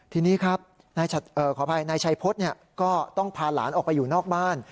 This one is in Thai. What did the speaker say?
ทีนี้ครับขออภัยนายชัยพฤษก็ต้องพาหลานออกไปอยู่นอกบ้าน